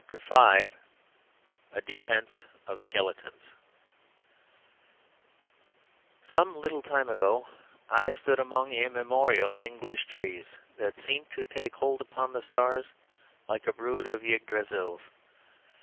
A DEFENCE OF SKELETONS Some little time ago I stood among immemorial English trees that seemed to take hold upon the stars like a brood of Ygdrasils.